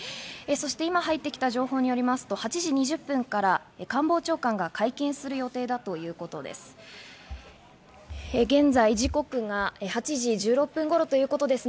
そして今、入ってきた情報によりますと８時２０分から官房長官が会見する予定だということです。